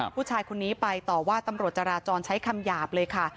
ผู้ชายคนนี้ไปต่อว่าตำรวจจราจรใช้คำหยาบเลยค่ะ